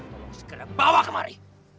tolong segera bawa kemari